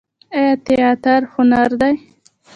آیا تیاتر هنر دی؟